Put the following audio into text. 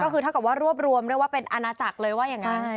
ก็คือรวบรวมเรียกว่าเป็นอาณาจักรเลยว่าอย่างนั้น